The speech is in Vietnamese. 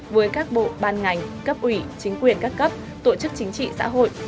với các bộ ban ngành cấp ủy chính quyền các cấp tổ chức chính trị xã hội